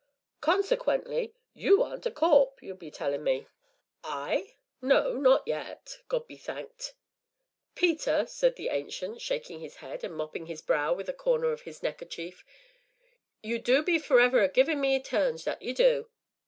"Consequently, you aren't a corp', you'll be tellin me." "I? no, not yet, God be thanked!" "Peter," said the Ancient, shaking his head, and mopping his brow with a corner of his neckerchief, "you du be forever a givin' of me turns, that ye du."